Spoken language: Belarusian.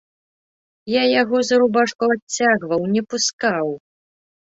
Я яго за рубашку адцягваў, не пускаў.